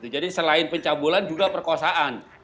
selain pencabulan juga perkosaan